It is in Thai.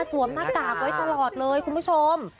สวมหน้ากากไว้ตลอดเลยคุณผู้ชม